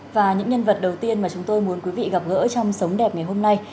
và những nhân vật đầu tiên mà chúng tôi muốn quý vị gặp gỡ trong sống đẹp ngày hôm nay